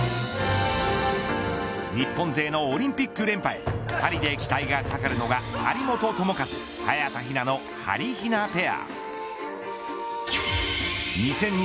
日本勢のオリンピック連覇へパリで期待がかかるのが張本智和、早田ひなのはりひなペア。